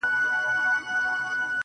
تا ولي هر څه اور ته ورکړل د یما لوري.